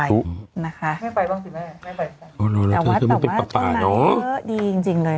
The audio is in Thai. ไม่ไปบ้างจริงไม่ค่ะไม่ไปแต่ว่าต้องให้เยอะดีจริงจริงเลย